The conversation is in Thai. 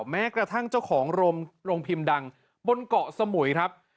แม้กระทั่งเจ้าของโรงพิมพ์ดังบนเกาะสมุยครับ